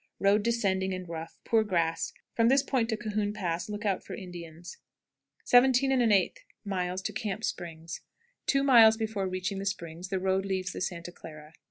Road descending and rough; poor grass. From this point to Cahoon Pass look out for Indians. 17 1/8. Camp Springs. Two miles before reaching the springs the road leaves the Santa Clara.